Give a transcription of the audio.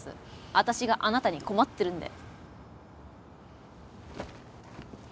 私があなたに困ってるんで。